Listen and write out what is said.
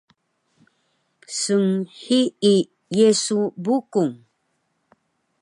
Snhii Yesu Bukung